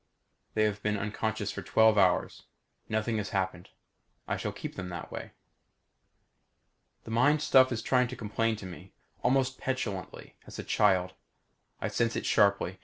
They have been unconscious for twelve hours. Nothing has happened. I shall keep them that way. The mind stuff is trying to complain to me. Almost petulantly; as a child. I sense it sharply.